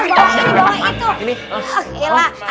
nggak tenang aja